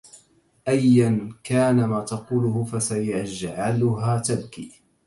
أيا كان ما تقوله فسيجعلها تبكي.